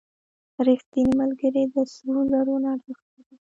• رښتینی ملګری د سرو زرو نه ارزښت لري.